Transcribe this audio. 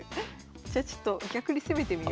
じゃあちょっと逆に攻めてみよ。